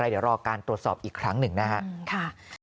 เดี๋ยวรอการตรวจสอบอีกครั้งหนึ่งนะครับ